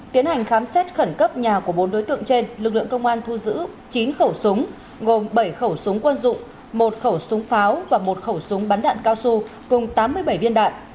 tiến hành khám xét khẩn cấp nhà của bốn đối tượng trên lực lượng công an thu giữ chín khẩu súng gồm bảy khẩu súng quân dụng một khẩu súng pháo và một khẩu súng bắn đạn cao su cùng tám mươi bảy viên đạn